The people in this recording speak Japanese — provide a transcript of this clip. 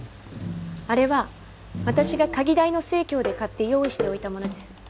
あれは私が科技大の生協で買って用意しておいたものです。